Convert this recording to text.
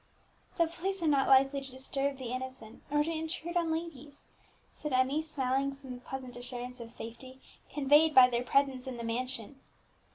"The police are not likely to disturb the innocent, nor to intrude on ladies," said Emmie, smiling from the pleasant assurance of safety conveyed by their presence in the mansion.